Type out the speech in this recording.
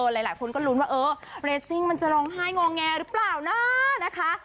หลายคนก็ลุ้นว่าเออเรสซิ่งมันจะร้องไห้งอแงหรือเปล่านะนะคะ